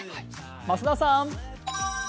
増田さん。